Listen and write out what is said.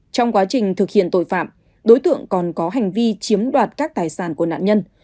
trong quá trình thực hiện tội phạm đối tượng còn có hành vi chiếm đoạt các tài sản của nạn nhân